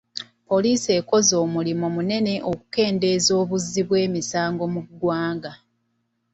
Poliisi ekoze omulimu munene okukendeeza obuzzi bw'emisango mu ggwanga.